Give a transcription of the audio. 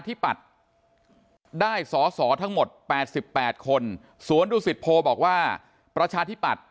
ทิปัตย์ได้สสทั้งหมด๘๘คนสวนทุกสิทธิ์โพบอกว่าประชาทิปัตย์